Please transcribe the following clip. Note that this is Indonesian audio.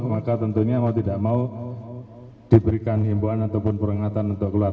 maka tentunya mau tidak mau diberikan himbuan ataupun perengatan untuk keluar